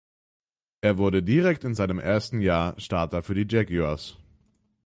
Er wurde direkt in seinem ersten Jahr Starter für die Jaguars.